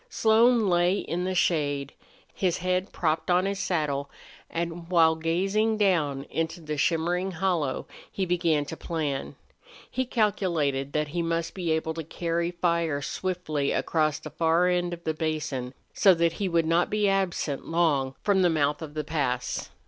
Slone lay in the shade, his head propped on his saddle, and while gazing down into the shimmering hollow he began to plan. He calculated that he must be able to carry fire swiftly across the far end of the basin, so that he would not be absent long from the mouth of the pass.